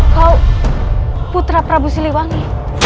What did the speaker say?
kau putra rabu siliwangi